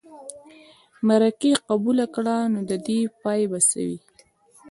مرکې قبوله کړه نو د دې پای به څه وي.